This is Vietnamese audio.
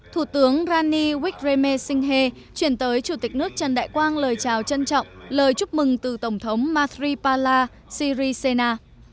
thủ tướng rani wickremesinghe chuyển tới chủ tịch nước trần đại quang lời chào trân trọng lời chúc mừng từ tổng thống mathripala sirisena